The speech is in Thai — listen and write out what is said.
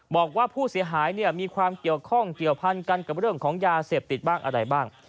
บอกว่าผู้เสียหายมีความเกี่ยวข้องเกี่ยวพันกันกับเรื่องของยาเสพติดบ้างอะไรบ้าง